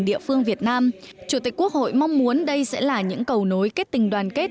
địa phương việt nam chủ tịch quốc hội mong muốn đây sẽ là những cầu nối kết tình đoàn kết